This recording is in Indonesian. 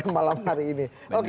malam hari ini